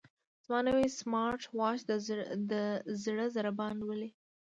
زما نوی سمارټ واچ د زړه ضربان لولي.